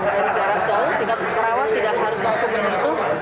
dari jarak jauh sehingga perawat tidak harus langsung menyentuh